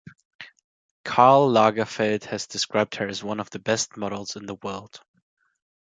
Karl Lagerfeld has described her as one of the best models in the world.